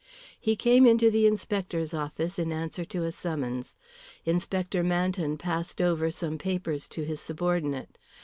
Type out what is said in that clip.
He came into the inspector's office in answer to a summons. Inspector Manton passed over some papers to his subordinate.